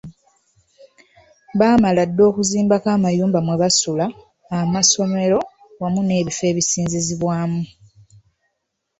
Baamala dda okuzimbako amayumba mwe basula, amasomero, wamu n’ebifo ebisinzizibwamu.